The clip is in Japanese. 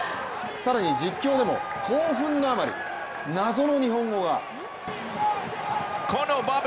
更に実況でも、興奮のあまり謎の日本語が。